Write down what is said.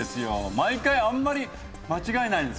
毎回あんまり間違えないですもんね。